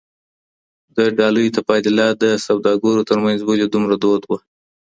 د ډالیو تبادله د سوداګرو تر منځ ولې دومره دود وه؟